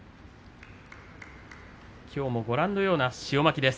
きょうもご覧のような塩まきです。